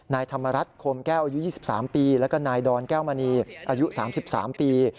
นายธรรมรัฐโคมแก้วอายุ๒๓ปีแล้วก็นายดอนแก้วมณีอายุ๓๓ปี